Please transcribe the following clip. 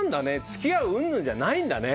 つきあううんぬんじゃないんだ。